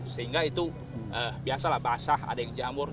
sehingga itu biasalah basah ada yang jamur